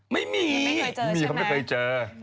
มาให้เขาลงไปช่วย